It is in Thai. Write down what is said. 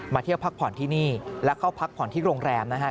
เที่ยวพักผ่อนที่นี่และเข้าพักผ่อนที่โรงแรมนะฮะ